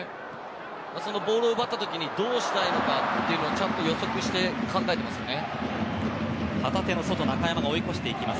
ボールを奪った時どうしたいのかというのはちゃんと予測して考えてますね。